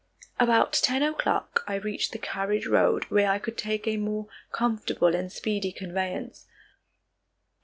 About ten o'clock I reached the carriage road where I could take a more comfortable and speedy conveyance.